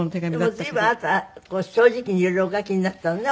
でも随分あなた正直にいろいろお書きになったのね